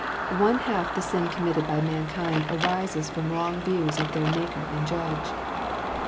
One half the sin committed by mankind arises from wrong views of their Maker and Judge.